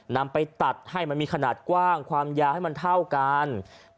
นำไปตัดให้มันมีขนาดกว้างความยาวให้มันเท่ากัน